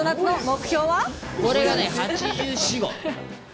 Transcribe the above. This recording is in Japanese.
これがね８４、５。